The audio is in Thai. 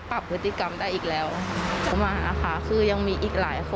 ความโหโชคดีมากที่วันนั้นไม่ถูกในไอซ์แล้วเธอเคยสัมผัสมาแล้วว่าค